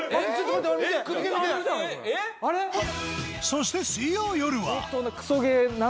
そして水曜よるは